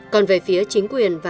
còn về phía chính quyền